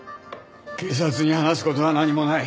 警察に話す事は何もない。